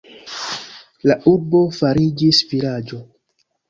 La urbo fariĝis vilaĝo.